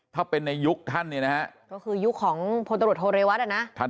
ถ้าเป็นในยุคท่านเนี่ยนะฮะก็คือยุคของพลตำรวจโทเรวัตอ่ะนะ